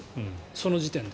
その時点で。